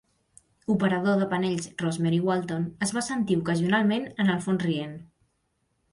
Operador de panells Rosemary Walton es va sentir ocasionalment en el fons rient.